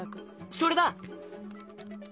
それだ！